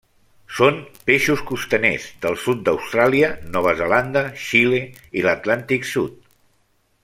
Són peixos costaners del sud d'Austràlia, Nova Zelanda, Xile i l'Atlàntic sud.